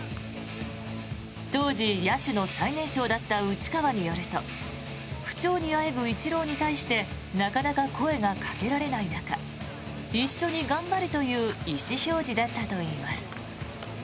当時、野手の最年少だった内川によると不調にあえぐイチローに対してなかなか声がかけられない中一緒に頑張るという意思表示だったといいます。